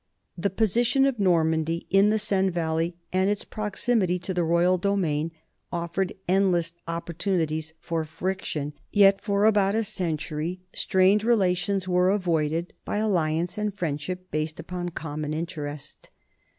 The position of Normandy in the Seine valley and its proximity to the royal domain offered endless opportunity for friction, yet for about a century strained NORMANDY AND ENGLAND 65 relations were avoided by alliance and friendship based upon common interest.